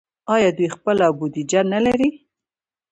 آیا دوی خپله بودیجه نلري؟